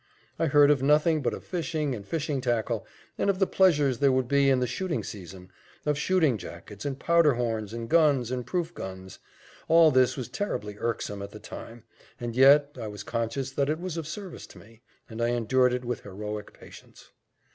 I heard of nothing but of fishing and fishing tackle of the pleasures there would be in the shooting season of shooting jackets, and powder horns, and guns, and proof guns. All this was terribly irksome at the time, and yet I was conscious that it was of service to me, and I endured it with heroic patience.